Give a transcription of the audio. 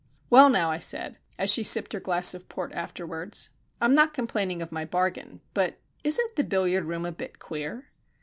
"Well, now," I said, as she sipped her glass of port afterwards, "I'm not complaining of my bargain, but isn't the billiard room a bit queer?"